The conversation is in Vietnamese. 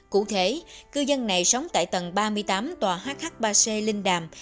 cụ thể cư dân này sống tại tầng ba mươi tám tòa hh ba c linh đàm